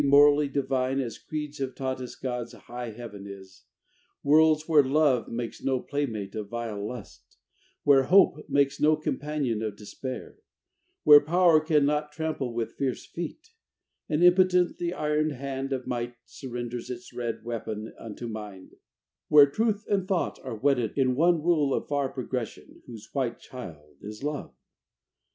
Morally divine As creeds have taught us God's high Heaven is. Worlds where Love makes no playmate of vile Lust; Where Hope makes no companion of Despair; Where Power can not trample with fierce feet; And, impotent, the iron hand of Might Surrenders its red weapon unto Mind; Where Truth and Thought are wedded, in one rule Of far progression, whose white child is Love.